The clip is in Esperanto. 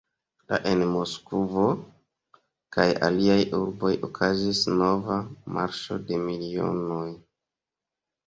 La en Moskvo kaj aliaj urboj okazis nova "Marŝo de milionoj".